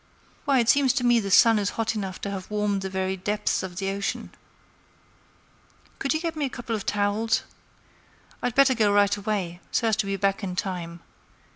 Why, it seems to me the sun is hot enough to have warmed the very depths of the ocean. Could you get me a couple of towels? I'd better go right away, so as to be back in time.